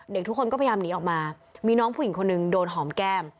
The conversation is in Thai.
เด็กทุกคนก็พยายามหนีออกมามีน้องผู้หญิงคนหนึ่งโดนหอมแก้ม